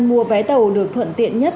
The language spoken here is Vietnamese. mua vé tàu được thuận tiện nhất